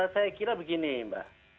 saya kira begini mbak